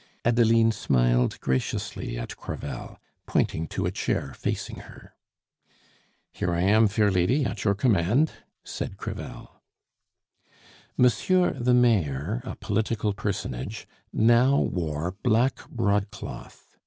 Adeline smiled graciously at Crevel, pointing to a chair facing her. "Here I am, fair lady, at your command," said Crevel. Monsieur the Mayor, a political personage, now wore black broadcloth.